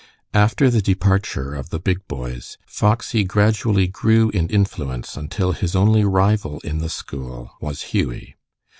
After the departure of the big boys, Foxy gradually grew in influence until his only rival in the school was Hughie.